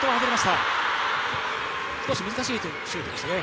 少し難しいシュートですね。